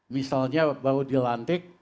misalnya baru dilantik